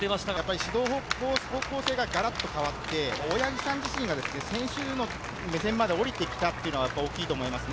指導の方向性ががらっと変わって、大八木さん自身が選手の目線まで降りてきたっていうのは、やっぱり大きいと思いますね。